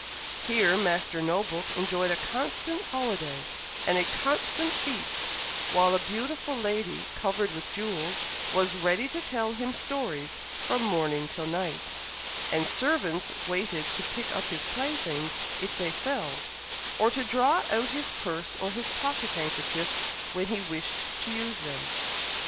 Here Master No book enjoyed a constant holiday and a constant feast, while a beautiful lady, covered with jewels, was ready to tell him stories from morning till night, and servants waited to pick up his playthings if they fell, or to draw out his purse or his pocket handkerchief when he wished to use them.